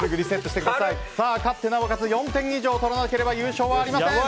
勝ってなおかつ４点以上取らなければ優勝はありません。